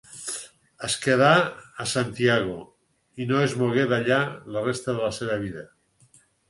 Es quedà a Santiago i no es mogué d'allà la resta de la seva vida.